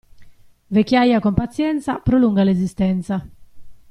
Vecchiaia con pazienza prolunga l'esistenza.